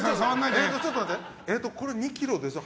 ちょっと待ってこれ、２ｋｇでしょ。